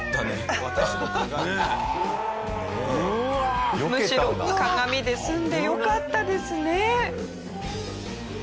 驚きすぎてむしろ鏡で済んでよかったですね。